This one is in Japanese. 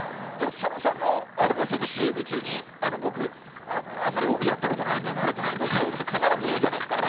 佐野さんもＣＭ中に僕、あんまり帯やったことないんで慣れてないんですよって必ず言うじゃないですか。